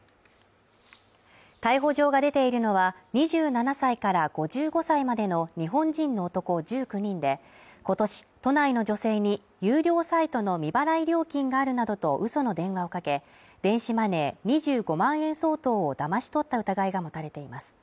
逮捕状が出ているのは、２７歳から５５歳までの日本人の男１９人で、今年都内の女性に有料サイトの未払い料金があるなどとうその電話をかけ、電子マネー２５万円相当をだまし取った疑いが持たれています。